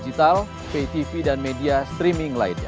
kita lihat saja masa sidang berikutnya